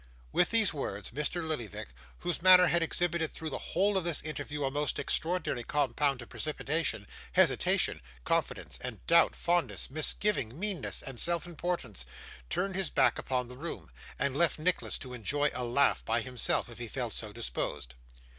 With these words, Mr. Lillyvick, whose manner had exhibited through the whole of this interview a most extraordinary compound of precipitation, hesitation, confidence and doubt, fondness, misgiving, meanness, and self importance, turned his back upon the room, and left Nicholas to enjoy a laugh by himself if he felt so disposed.